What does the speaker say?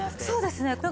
そうですね。